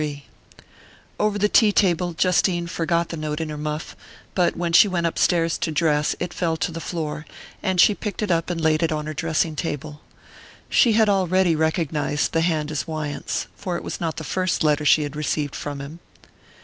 XXXIII OVER the tea table Justine forgot the note in her muff; but when she went upstairs to dress it fell to the floor, and she picked it up and laid it on her dressing table. She had already recognized the hand as Wyant's, for it was not the first letter she had received from him.